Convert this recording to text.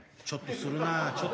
ちょっとする。